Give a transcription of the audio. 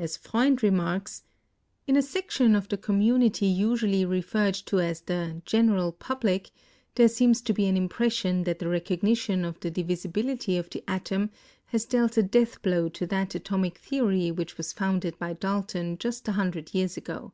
As Freund remarks, "In a section of the community usually referred to as the 'general public' there seems to be an impression that the recognition of the divisibility of the atom has dealt a deathblow to that atomic theory which was founded by Dalton just a hun dred years ago.